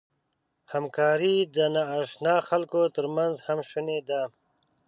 همکاري د ناآشنا خلکو تر منځ هم شونې ده.